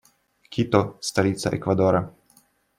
Кито - столица Эквадора.